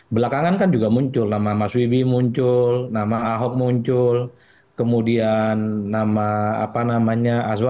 belakangan kan juga muncul nama mas wibi muncul nama ahok muncul kemudian nama azwar anas juga muncul dan seterusnya